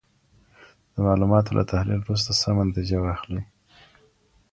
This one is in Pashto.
د معلوماتو له تحلیل وروسته سمه نتیجه واخلئ.